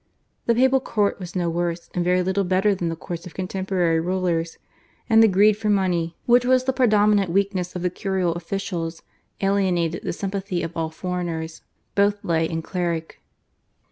The papal court was no worse and very little better than the courts of contemporary rulers, and the greed for money, which was the predominant weakness of the curial officials, alienated the sympathy of all foreigners, both lay and cleric.